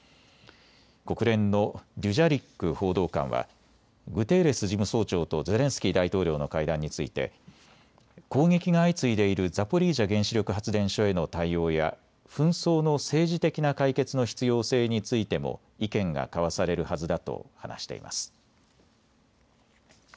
国連のデュジャリック報道官はグテーレス事務総長とゼレンスキー大統領の会談について攻撃が相次いでいるザポリージャ原子力発電所への対応や紛争の政治的な解決の必要性についても意見が交わされるはずだと話しています。